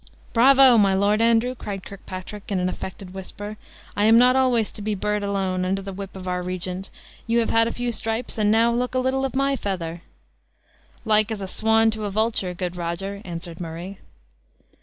"Bravo, my Lord Andrew!" cried Kirkpatrick, in an affected whisper, "I am not always to be bird alone, under the whip of our regent; you have had a few stripes, and now look a little of my feather!" "Like as a swan to a vulture, good Roger," answered Murray.